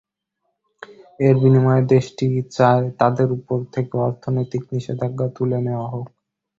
এর বিনিময়ে দেশটি চায় তাদের ওপর থেকে অর্থনৈতিক নিষেধাজ্ঞা তুলে নেওয়া হোক।